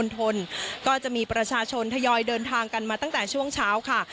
ก็จะมีประชาชนทยอยเดินทางกันมาตั้งแต่ช่วงเช้าค่ะ